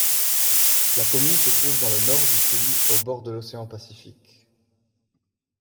La commune se trouve dans le nord du Chili au bord de l'Océan Pacifique.